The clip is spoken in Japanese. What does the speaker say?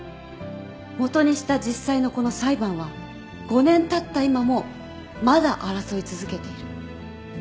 もとにした実際のこの裁判は５年たった今もまだ争い続けている。